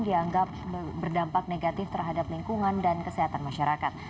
dianggap berdampak negatif terhadap lingkungan dan kesehatan masyarakat